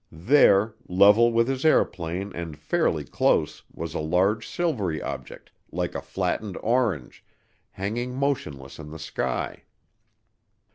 There, level with his airplane and fairly close, was a large silvery object, "like a flattened orange," hanging motionless in the sky.